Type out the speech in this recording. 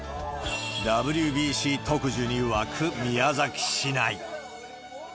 ＷＢＣ特需に沸く宮崎市内。